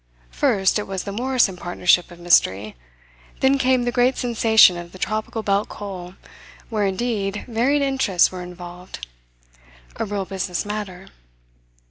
First, it was the Morrison partnership of mystery, then came the great sensation of the Tropical Belt Coal where indeed varied interests were involved: a real business matter.